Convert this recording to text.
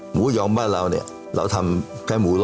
หมูยอมบ้านเราเนี่ยเราทำแค่หมู๑๐๐